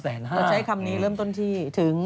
แต่ใช้คำนี้เริ่มต้นที่ถึง